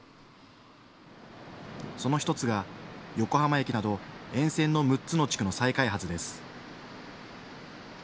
その１つが横浜駅など沿線の６つの地区の再開発です。